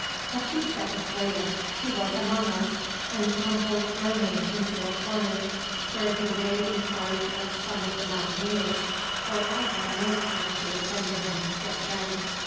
A few seconds later he was among us, and tumbled groaning into a corner, where he lay in charge of some of the mountaineers, for I had no time to attend to him just then.